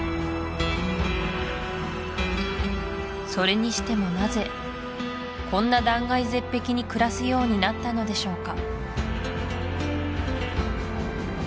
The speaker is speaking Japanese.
それにしてもなぜこんな断崖絶壁に暮らすようになったのでしょうか